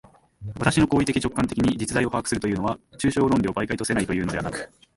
私の行為的直観的に実在を把握するというのは、抽象論理を媒介とせないというのではなく、